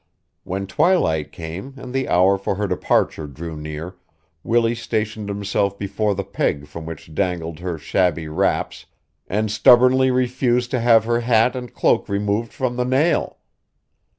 When twilight came and the hour for her departure drew near Willie stationed himself before the peg from which dangled her shabby wraps and stubbornly refused to have her hat and cloak removed from the nail.